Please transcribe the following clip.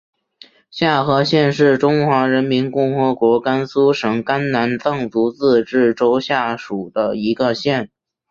夏河县是中华人民共和国甘肃省甘南藏族自治州下属的一个县。